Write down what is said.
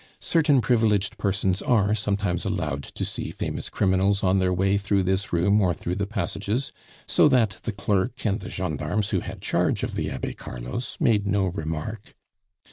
Certain privileged persons are sometimes allowed to see famous criminals on their way through this room or through the passages, so that the clerk and the gendarmes who had charge of the Abbe Carlos made no remark.